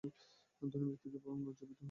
ধনী ব্যক্তিদের বরং লজ্জিত হওয়া উচিত।